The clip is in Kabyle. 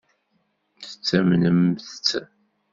Tettamnem-tt?